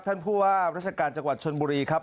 ท่านผู้ว่าราชการจังหวัดชนบุรีครับ